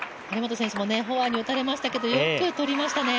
フォアに打たれましたけどよくとりましたね。